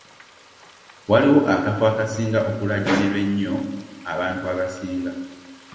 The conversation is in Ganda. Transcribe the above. Waliwo akafo akasinga okulagajjalirwa ennyo abantu abasinga.